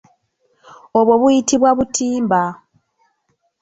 Obwo buyitibwa butimba.